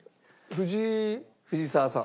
藤澤さん。